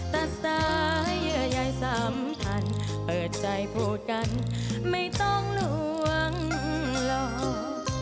ตัดสายเยื่อใยสัมพันธ์เปิดใจพูดกันไม่ต้องลวงหลอก